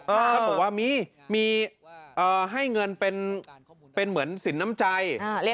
ท่านบอกว่ามีให้เงินเป็นเหมือนสินน้ำใจ